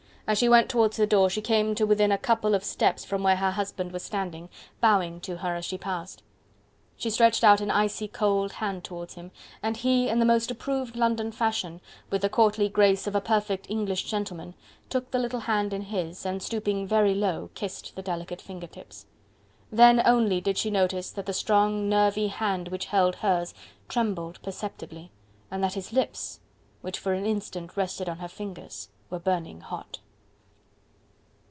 As she went towards the door she came to within a couple of steps from where her husband was standing, bowing to her as she passed. She stretched out an icy cold hand towards him, and he, in the most approved London fashion, with the courtly grace of a perfect English gentleman, took the little hand in his and stooping very low kissed the delicate finger tips. Then only did she notice that the strong, nervy hand which held hers trembled perceptibly, and that his lips which for an instant rested on her fingers were burning hot.